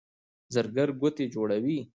زرګر ګوتې جوړوي.